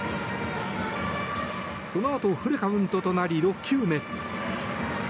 そのあと、フルカウントとなり６球目。